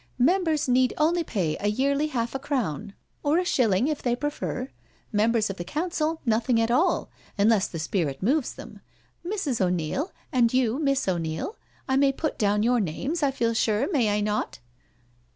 " Members need only pay a yearly half a crown, or a shilling, if they prefer it. Members of the council nothing at all, unless the spirit moves them. Mrs. O'Neil and you. Miss O'Neil, I may put down your names, I feel sure, may I not?